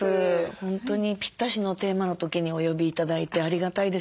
本当にぴったしのテーマの時にお呼び頂いてありがたいです。